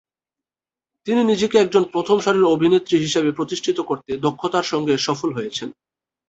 তিনি নিজেকে একজন প্রথম সারির অভিনেত্রী হিসেবে প্রতিষ্ঠিত করতে দক্ষতার সঙ্গে সফল হয়েছেন।